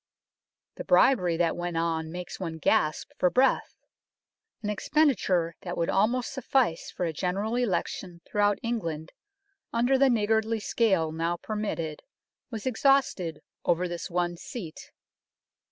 The bribery that went on makes one gasp for breath ! An expenditure that would almost suffice for a General Election throughout England under the niggardly scale now permitted was exhausted over this one seat.